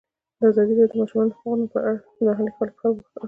ازادي راډیو د د ماشومانو حقونه په اړه د محلي خلکو غږ خپور کړی.